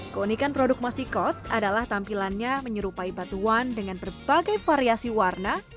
keunikan produk masikot adalah tampilannya menyerupai batuan dengan berbagai variasi warna